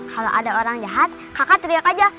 kalau ada orang jahat kakak teriak aja